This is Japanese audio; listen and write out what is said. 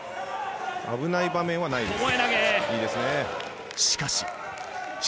危ない場面はないです。